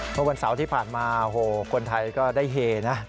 เมื่อวันเสาร์ที่ผ่านมาโหคนไทยก็ได้เฮนะ